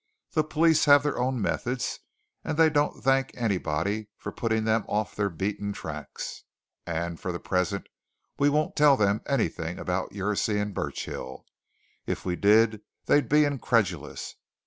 "The police have their own methods, and they don't thank anybody for putting them off their beaten tracks. And for the present we won't tell them anything about your seeing Burchill. If we did, they'd be incredulous.